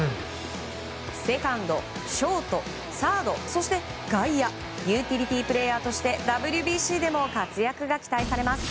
セカンド、ショート、サードそして外野ユーティリティープレーヤーとしてＷＢＣでも活躍が期待されます。